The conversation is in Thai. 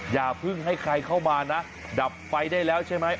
อย่าเพิ่งให้ใครเข้ามานะดับไฟได้แล้วใช่ไหม